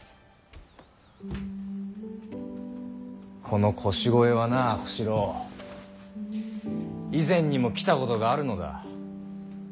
この腰越はな小四郎以前にも来たことがあるのだ。